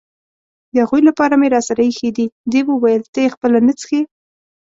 د هغوی لپاره مې راسره اېښي دي، دې وویل: ته یې خپله نه څښې؟